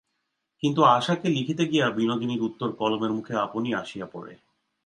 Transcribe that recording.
কিন্তু আশাকে লিখিতে গিয়া বিনোদিনীর উত্তর কলমের মুখে আপনি আসিয়া পড়ে।